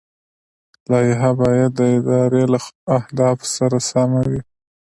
لایحه باید د ادارې له اهدافو سره سمه وي.